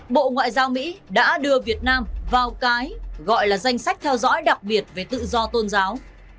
bộ ngoại giao mỹ đã đưa việt nam vào cái gọi là danh sách theo dõi đặc biệt về tự do tôn giáo